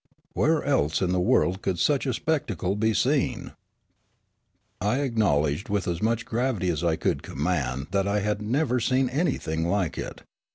Where else in the world could such a spectacle be seen ? I acknowledged with as much gravity as I could command that I had never seen anything like it.